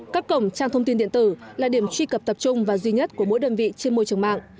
các cổng trang thông tin điện tử là điểm truy cập tập trung và duy nhất của mỗi đơn vị trên môi trường mạng